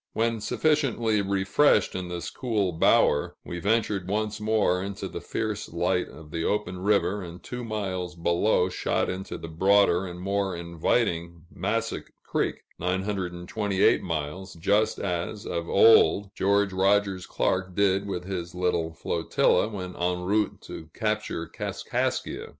When sufficiently refreshed in this cool bower, we ventured once more into the fierce light of the open river, and two miles below shot into the broader and more inviting Massac Creek (928 miles), just as, of old, George Rogers Clark did with his little flotilla, when en route to capture Kaskaskia.